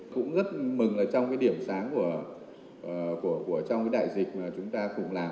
cũng rất mừng trong cái điểm sáng của trong cái đại dịch mà chúng ta cùng làm